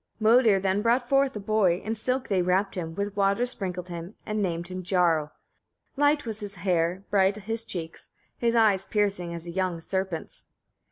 31. Modir then brought forth a boy: in silk they wrapped him, with water sprinkled him, and named him Jarl. Light was his hair, bright his cheeks, his eyes piercing as a young serpent's.